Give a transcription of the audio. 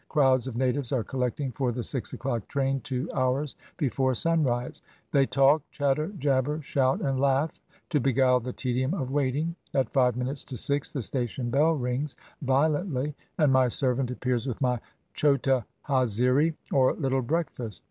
Crowds of natives are collecting for the six o'clock train two hours before sunrise. They talk, chatter, jabber, shout, and laugh to beguile the tedium of waiting. At five minutes to six the station bell rings violently, and my servant appears with my chota haziri, or little breakfast.